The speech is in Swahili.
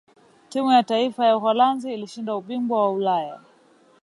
timu ya taifa ya uholanzi ilishinda ubingwa wa ulaya